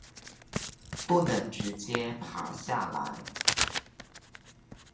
不能直接爬下來